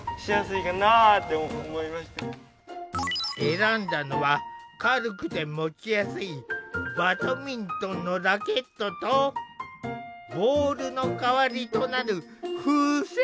選んだのは軽くて持ちやすいバドミントンのラケットとボールの代わりとなる風船。